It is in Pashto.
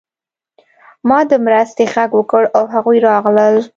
ما د مرستې غږ وکړ او هغوی راغلل